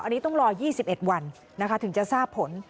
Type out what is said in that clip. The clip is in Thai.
อันนี้ต้องรอ๒๑วันถึงจะทราบผล